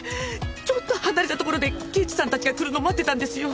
ちょっと離れたところで刑事さんたちが来るのを待ってたんですよ。